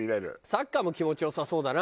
サッカーも気持ち良さそうだな。